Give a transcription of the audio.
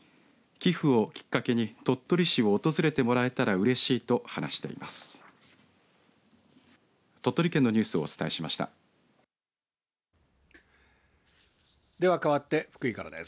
寄付をきっかけに鳥取市を訪れてもらえたらうれしいと話しています。